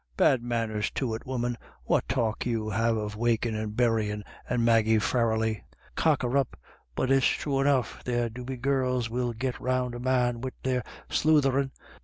u Bad manners to it, woman, what talk have you of wakin' and burryin', and Maggie Farrelly ? Cock her up ! But it's true enough there do be girls will get round a man wid their slootherin', ti!